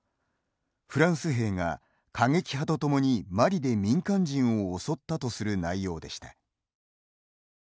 フランス兵が過激派と共にマリで民間人を襲ったとする内容でした。